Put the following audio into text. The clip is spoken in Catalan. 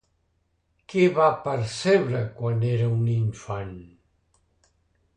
Què va percebre quan era un infant?